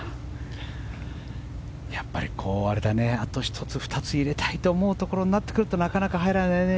やっぱりあと１つ、２つ入れたいと思ってくるところになるとなかなか入らないよね